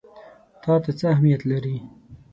تا ته څه اهمیت لري؟